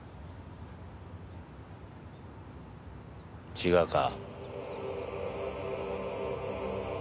違うか？